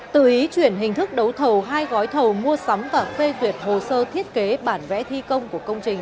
tự ý chuyển hình thức đấu thầu hai gói thầu mua sắm và phê tuyệt hồ sơ thiết kế bản vẽ thi công của công trình